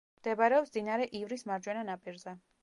მდებარეობს მდინარე ივრის მარჯვენა ნაპირზე.